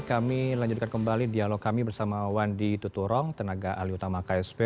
kami lanjutkan kembali dialog kami bersama wandi tutorong tenaga ahli utama ksp